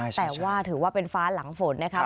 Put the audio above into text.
แต่ว่าถือว่าเป็นฟ้าหลังฝนนะครับ